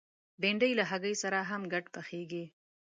بېنډۍ له هګۍ سره هم ګډ پخېږي